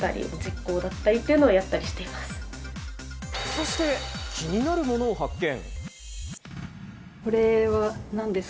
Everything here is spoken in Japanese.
そして、気になるものを発見。